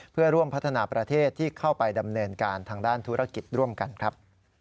เพื่อร่วมพัฒนาประเทศที่เข้าไปดำเนินการทางด้านธุรกิจร่วมกันครับ